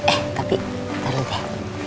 eh tapi ntar dulu deh